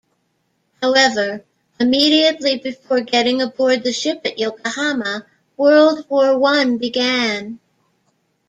However, immediately before getting aboard the ship at Yokohama, World War One began.